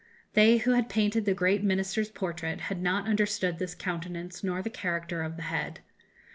They who had painted the great Minister's portrait had not understood this countenance nor the character of the head.